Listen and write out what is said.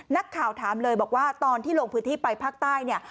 นักข่าวถามเลยบอกว่าตอนที่ลงพื้นที่ไปภาคใต้เนี่ย